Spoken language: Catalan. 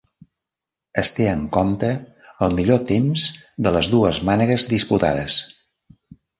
Es té en compte el millor temps de les dues mànegues disputades.